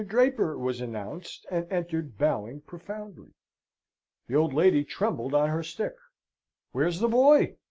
Draper" was announced, and entered bowing profoundly. The old lady trembled on her stick. "Where is the boy?"